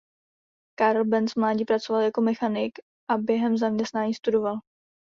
Karl Benz v mládí pracoval jako mechanik a během zaměstnání studoval.